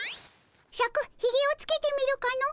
シャクひげをつけてみるかの？